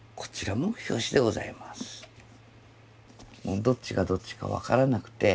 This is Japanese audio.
もうどっちがどっちか分からなくて。